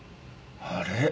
あれ？